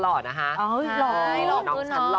โอ้โห